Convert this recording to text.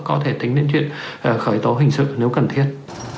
có thể tính đến chuyện khởi tố hình sự nếu cần thiết